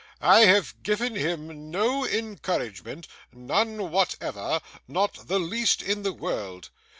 I have given him no encouragement none whatever not the least in the world.